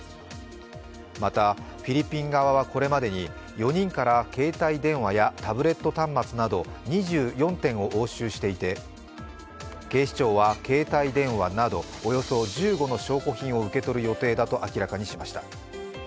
また、フィリピン側はこれまでに、４人から携帯電話やタブレット端末など２４点を押収していて警視庁は携帯電話などおよそ１５の証拠品を受け取る予定だと明らかにしました。